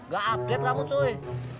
gak update kamu cuy